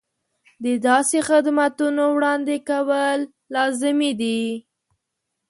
د داسې خدمتونو وړاندې کول لازمي دي.